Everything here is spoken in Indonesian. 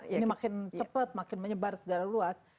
ini makin cepat makin menyebar secara luas